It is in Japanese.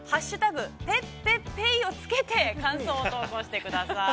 「＃ペッペッＰＡＹ」をつけて、感想を投稿してください。